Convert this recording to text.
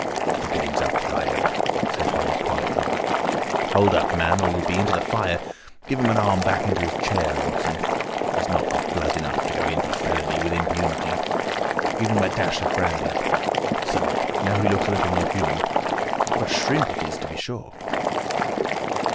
"The game's up, Ryder," said Holmes quietly. "Hold up, man, or you'll be into the fire! Give him an arm back into his chair, Watson. He's not got blood enough to go in for felony with impunity. Give him a dash of brandy. So! Now he looks a little more human. What a shrimp it is, to be sure!"